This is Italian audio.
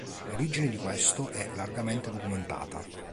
L'origine di questo è largamente documentata.